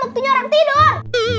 waktunya orang tidur